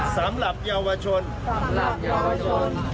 สำหรับเยาวชนสำหรับเยาวชน